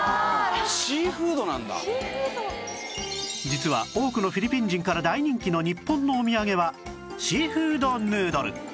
実は多くのフィリピン人から大人気の日本のお土産はシーフードヌードル